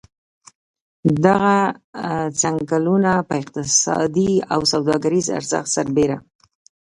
دغه څنګلونه په اقتصادي او سوداګریز ارزښت سربېره.